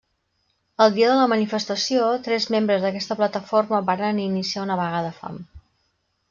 El dia de la manifestació, tres membres d'aquesta plataforma varen iniciar una vaga de fam.